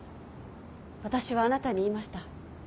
私はあなたに言いました。